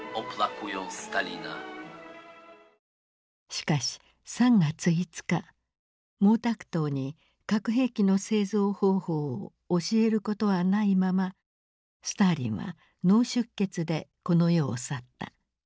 しかし３月５日毛沢東に核兵器の製造方法を教えることはないままスターリンは脳出血でこの世を去った。